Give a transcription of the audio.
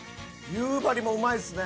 夕張もうまいっすね。